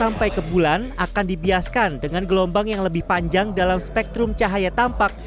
sampai ke bulan akan dibiaskan dengan gelombang yang lebih panjang dalam spektrum cahaya tampak